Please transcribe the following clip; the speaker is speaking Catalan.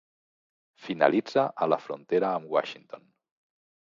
Finalitza a la frontera amb Washington.